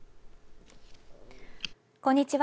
こんにちは。